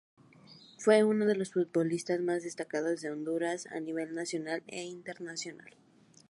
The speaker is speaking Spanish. Fue uno de los futbolistas más destacados de Honduras a nivel nacional e internacional.